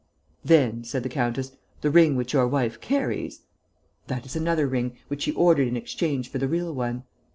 "Then," said the countess, "the ring which your wife carries...." "That is another ring, which she ordered in exchange for the real one.